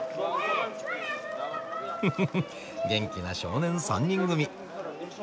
ふふふ元気な少年３人組。